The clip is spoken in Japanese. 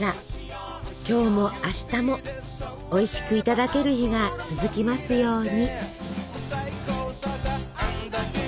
今日も明日もおいしくいただける日が続きますように。